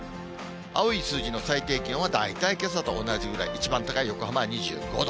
青い数字の最低気温は大体けさと同じぐらい、一番高い横浜は２５度。